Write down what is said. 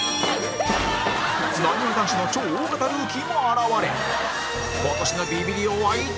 なにわ男子の超大型ルーキーも現れ今年のビビリ王は一体？